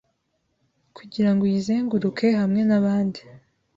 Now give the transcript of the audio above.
Kugirango uyizenguruke hamwe na bandi